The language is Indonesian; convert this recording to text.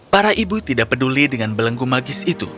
para ibu tidak peduli dengan belenggu magis itu